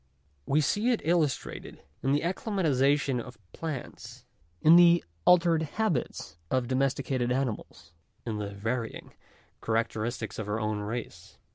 We see it illus trated in the acclimatization of plants, in the altered habits of domesticated animals, in the varying characteristics of our own race.